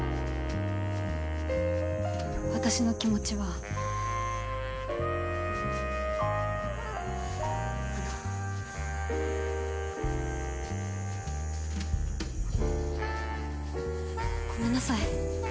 私の気持ちはあのごめんなさい。